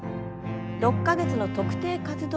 ６か月の特定活動